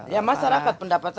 ya masyarakat pendapat saya